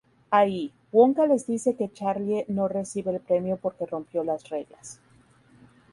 Allí, Wonka les dice que Charlie no recibe el premio porque rompió las reglas.